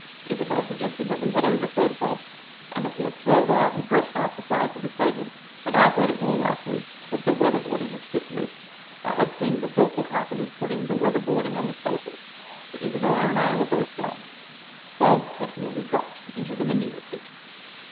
Isobel suggested that we had overfed Bob, and that he had swelled out and pressed out the sides of the stable, but I thought it more likely that the weather boarding had slipped loose. I had seen the thoughtful carpenters putting that weather boarding on the stable. But Isobel and I were both wrong. Bob had merely dropped into the manure pit.